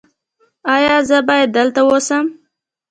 ایا زه باید دلته اوسم؟